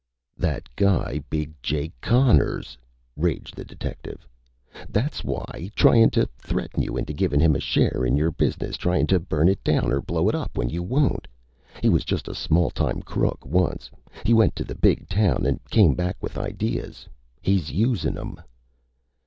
"That guy Big Jake Connors!" raged the detective. "That's why! Tryin' to threaten you into givin' him a share in your business! Tryin' to burn it down or blow it up when you won't! He was just a small town crook, once. He went to the big town an' came back with ideas. He's usin' 'em!"